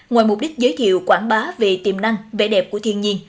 ngoài mục đích giới thiệu quảng bá về tiềm năng vẻ đẹp của thiên nhiên